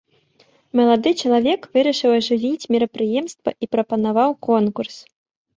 Малады чалавек вырашыў ажывіць мерапрыемства і прапанаваў конкурс.